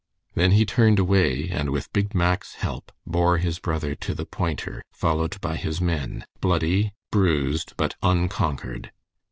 Then he turned away, and with Big Mack's help bore his brother to the pointer, followed by his men, bloody, bruised, but unconquered.